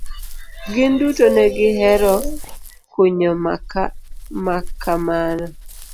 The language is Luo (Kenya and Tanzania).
Gin duto negi hero kunyo makamano.